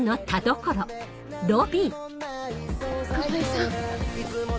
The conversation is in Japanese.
熊井さん。